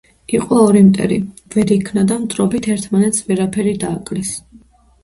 იყო ორი მტერი. ვერ იქნა და მტრობით ერთმანეთს ვერაფერი დააკლეს.